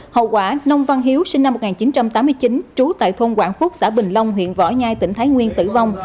hậu quả nông văn hiếu sinh năm một nghìn chín trăm tám mươi chín trú tại thôn quảng phúc xã bình long huyện võ nhai tỉnh thái nguyên tử vong